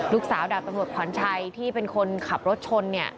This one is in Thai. ลูกสาวดาบประโหมดขวัญชัยที่เป็นคนขับรถชน